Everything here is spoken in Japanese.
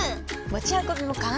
持ち運びも簡単！